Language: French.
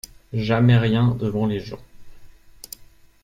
Jamais rien devant les gens.